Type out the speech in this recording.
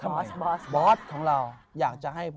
บอสบอสบอสของเรา